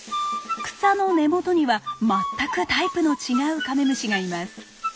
草の根元には全くタイプの違うカメムシがいます。